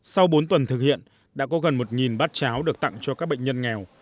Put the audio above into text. sau bốn tuần thực hiện đã có gần một bát cháo được tặng cho các bệnh nhân nghèo